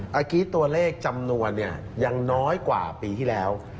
เมื่อกี้ตัวเลขจำนวนเนี่ยยังน้อยกว่าปีที่แล้ว